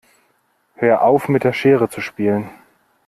Hör auf mit der Schere zu spielen.